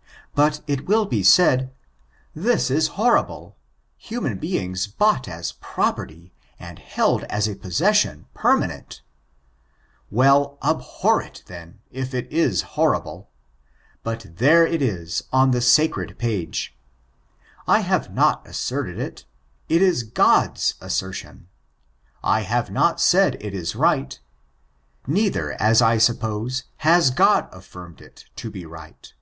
*' But, it will be said, this is horrible! Human beings bought as property f and held as a possession permanent ! Well, abhor it, then, if it is horrible. But, there it is on the sacred page. I have not asserted it, it is God's assertion. I have not said it is right. Neither, as I suppose, has God afiBrmed it to be right.